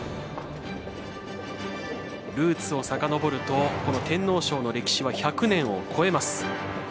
ルーツをさかのぼると天皇賞の歴史は１００年を超えます。